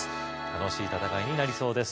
楽しい戦いになりそうです